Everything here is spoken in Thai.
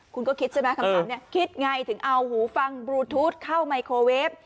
คุณก็คิดใช่ไหมคำถามนี้คิดไงถึงเอาหูฟังบลูทูธเข้าไมโครเวฟ